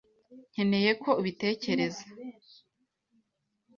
nkeneye ko ubitekereza.